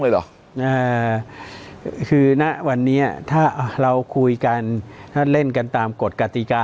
เลยหรอคือนะวันนี้ถ้าเราคุยกันเล่นกันตามกฎกติกา